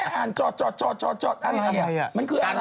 วันแม่อ่าน